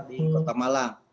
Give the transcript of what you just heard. di kota malang